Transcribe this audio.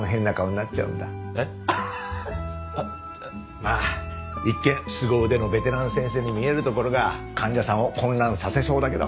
まあ一見すご腕のベテラン先生に見えるところが患者さんを混乱させそうだけど。